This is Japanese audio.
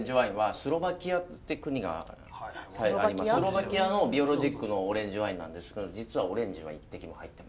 スロバキアのビオロジックのオレンジワインなんですけど実はオレンジは一滴も入ってません。